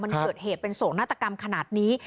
มันเกิดเหตุเป็นโศกนาฏกรรมขนาดนี้